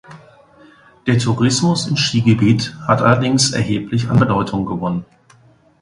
Der Tourismus im Skigebiet hat allerdings erheblich an Bedeutung gewonnen.